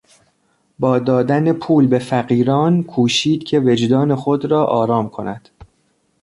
با دادن پول به فقیران کوشید که وجدان خود را آرام کند.